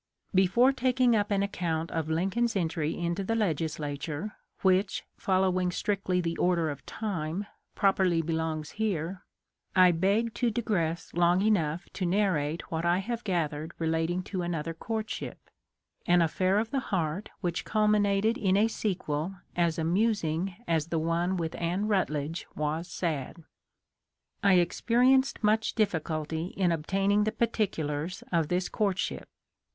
Before taking up an account of Lincoln's entry into the Legislature, which, following strictly the order of time, properly belongs here, I beg to di gress long enough to narrate what I have gathered relating to another courtship — an affair of the heart which culminated in a sequel as amusing as the one with Anne Rutledge was sad. I experienced much difficulty in obtaining the particulars of this court ship.